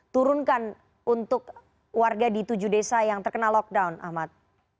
turunkan untuk warga di tujuh desa yang terkena lockdown ahmad